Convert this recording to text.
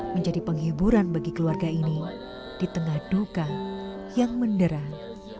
menjadi penghiburan bagi keluarga ini di tengah duka yang menderang